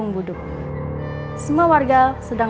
saya sendiri sudah berpikiran